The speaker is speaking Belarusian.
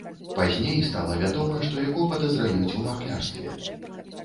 Пазней стала вядома, што яго падазраюць у махлярстве.